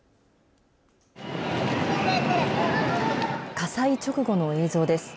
火災直後の映像です。